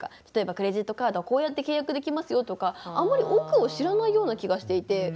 例えばクレジットカードはこうやって契約できますよとかあんまり奥を知らないような気がしていて。